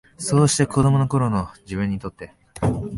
そうして、子供の頃の自分にとって、